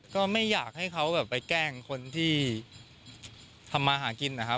ก็ไม่อยากให้เขาแบบไปแกล้งคนที่ทำมาหากินนะครับ